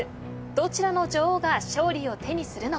どちらの女王が勝利を手にするのか。